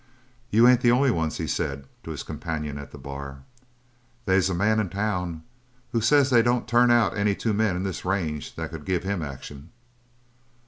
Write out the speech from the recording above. "You ain't the only ones," he said to his companion at the bar. "They's a man in town who says they don't turn out any two men in this range that could give him action."